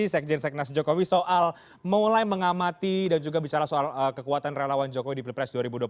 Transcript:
sekjen seknas jokowi soal mulai mengamati dan juga bicara soal kekuatan relawan jokowi di pilpres dua ribu dua puluh empat